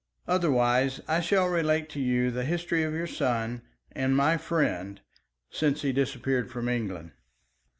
Otherwise I shall relate to you the history of your son and my friend since he disappeared from England."